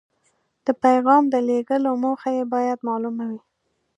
د پیغام د لیږلو موخه یې باید مالومه وي.